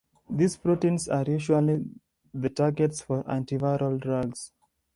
These proteins are usually the targets for antiviral drugs.